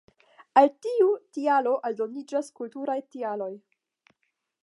Al tiu tialo aldoniĝas kulturaj tialoj.